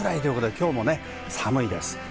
今日も寒いです。